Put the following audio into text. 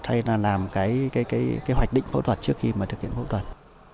hay là làm hoạch định phẫu thuật trước khi thực hiện phẫu thuật